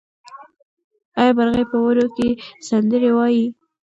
آیا مرغۍ په ونو کې سندرې وايي؟